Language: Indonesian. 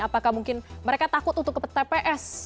apakah mungkin mereka takut untuk ke tps